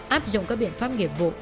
áp dụng các biện pháp nghiệp bộ